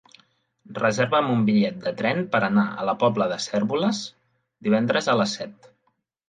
Reserva'm un bitllet de tren per anar a la Pobla de Cérvoles divendres a les set.